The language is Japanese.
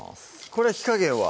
これ火加減は？